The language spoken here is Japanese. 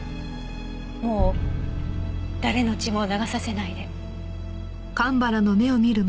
もう誰の血も流させないで。